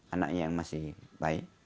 anaknya yang masih baik